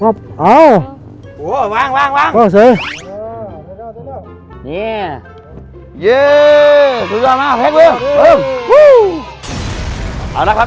เอาโอ้ยวางวางวางนี่เย้สุดยอดมากเอาละครับ